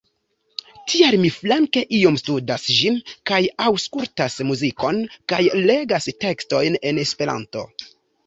Tial mi flanke iom studas ĝin kaj aŭskultas muzikon kaj legas tekstojn en Esperanto.